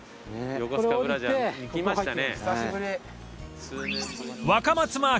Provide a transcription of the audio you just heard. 横須賀ブラジャー行きましたね。